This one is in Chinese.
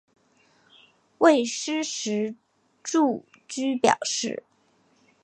未施实住居表示。